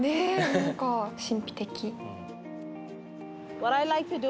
何か神秘的。